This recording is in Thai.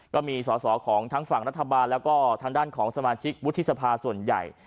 ก็มีสอสอของทั้งฝั่งรัฐบาลแล้วก็ทางด้านของสมาชิกวุฒิสภาส่วนใหญ่